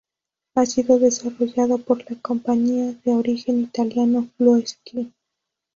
Ha sido desarrollado por la compañía de origen italiano Blue Sky.